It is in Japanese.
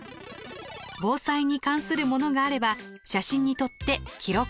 防災に関するものがあれば写真に撮って記録！